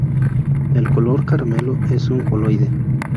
El color caramelo es un coloide.